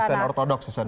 presen ortodoks di sana